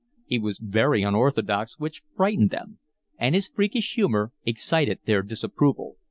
He was very unorthodox, which frightened them; and his freakish humour excited their disapproval.